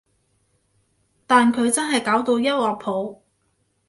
但佢真係搞到一鑊泡